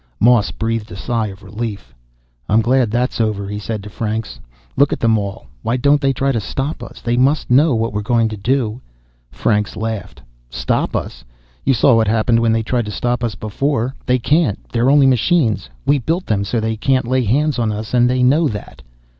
Moss breathed a sigh of relief. "I'm glad that's over," he said to Franks. "Look at them all. Why don't they try to stop us? They must know what we're going to do." Franks laughed. "Stop us? You saw what happened when they tried to stop us before. They can't; they're only machines. We built them so they can't lay hands on us, and they know that."